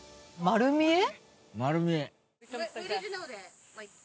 丸見え。